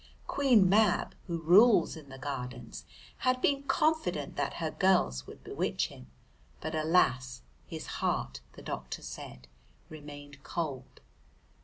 Queen Mab, who rules in the Gardens, had been confident that her girls would bewitch him, but alas, his heart, the doctor said, remained cold.